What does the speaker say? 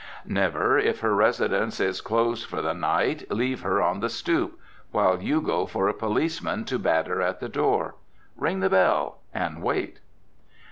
Never, if her residence is closed for the night, leave her on the stoop, while you go for a policeman to batter in the door. Ring the bell, and wait.